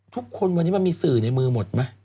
ทุกวันวันนี้มันมีสื่อในมือหมดไหม